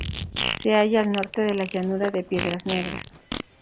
Se halla al norte de la llanura de Piedras Negras.